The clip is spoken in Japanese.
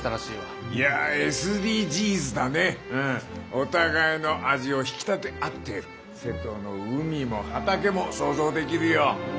お互いの味を引き立て合って瀬戸の海も畑も想像できるよ。